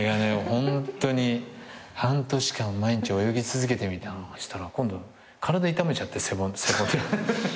ホントに半年間毎日泳ぎ続けてみたら今度体痛めちゃって背骨を。